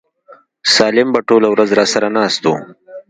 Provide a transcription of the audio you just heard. سالم به ټوله ورځ راسره ناست و.